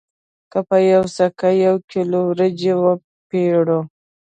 که په یوه سکه یو کیلو وریجې وپېرو